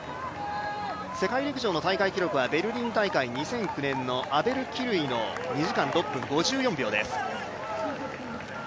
世界陸上の大会記録はベルリン大会２００９年のアベル・キルイの２時間６分５４秒です。